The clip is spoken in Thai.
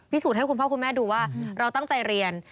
สูจนให้คุณพ่อคุณแม่ดูว่าเราตั้งใจเรียน